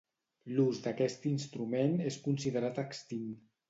L'ús d'aquest instrument és considerat extint.